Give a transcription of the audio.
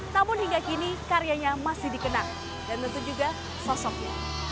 namun hingga kini karyanya masih dikenal dan tentu juga sosoknya